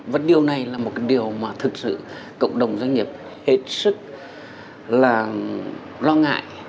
và điều này là một cái điều mà thực sự cộng đồng doanh nghiệp hết sức là lo ngại